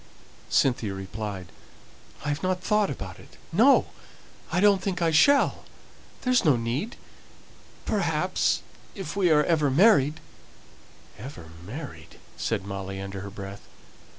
Cynthia replied, "I've not thought about it no! I don't think I shall there's no need. Perhaps, if we are ever married " "Ever married!" said Molly, under her breath.